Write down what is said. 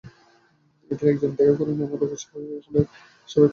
এঁদের একজন দেখা করেন অমর একুশে হলের সাবেক একজন প্রাধ্যক্ষের সঙ্গে।